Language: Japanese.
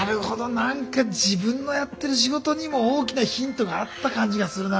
何か自分のやってる仕事にも大きなヒントがあった感じがするな